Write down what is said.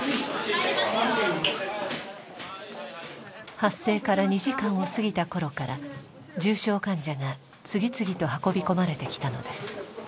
発生から２時間を過ぎたころから重症患者が次々と運び込まれてきたのです。